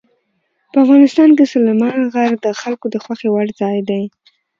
په افغانستان کې سلیمان غر د خلکو د خوښې وړ ځای دی.